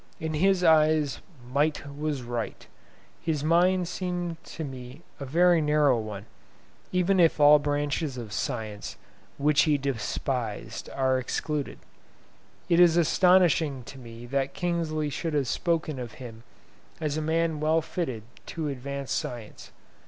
In his eyes might was right. His mind seemed to me a very narrow one; even if all branches of science, which he despised, are excluded. It is astonishing to me that Kingsley should have spoken of him as a man well fitted to advance science.